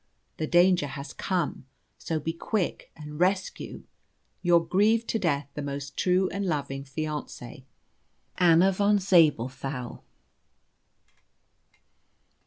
The danger has come, so be quick, and rescue "Your grieved to death, but most true and loving fiancée, "ANNA VON ZABELTHAU.